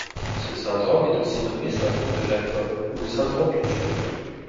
Ce syndrome est aussi nommé syndrome de Jacob ou le syndrome du tueur.